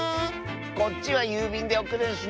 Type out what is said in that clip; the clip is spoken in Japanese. こっちはゆうびんでおくるんスね！